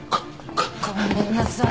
ごめんなさい。